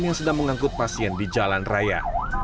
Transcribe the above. yang sedang mengangkut pasien di jalan raya